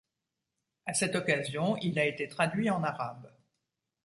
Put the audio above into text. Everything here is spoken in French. À cette occasion, il a été traduit en arabe.